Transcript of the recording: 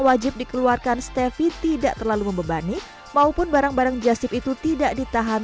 wajib dikeluarkan stefi tidak terlalu membebani maupun barang barang jaship itu tidak ditahan